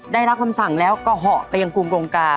ได้รับคำสั่งแล้วก็เหาะไปยังกลุ่มกรงกา